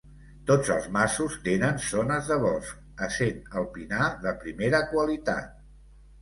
Tots els masos tenen zones de bosc, essent el pinar de primera qualitat.